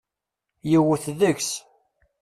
Yewwet deg-s.